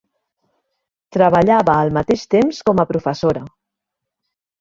Treballava al mateix temps com a professora.